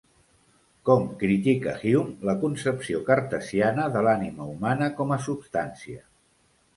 Com critica Hume la concepció cartesiana de l'ànima humana com a substància?